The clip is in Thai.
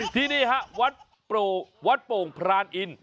ที่นี่ฮะวัดโป่งพรานอิน